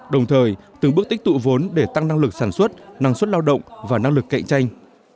đồng thời từng bước tích tụ vốn để tăng năng lực sản xuất năng suất lao động và năng lực cạnh tranh